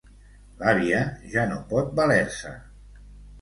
L'àvia ja no pot valer-se.